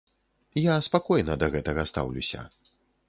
Я спакойна да гэтага стаўлюся.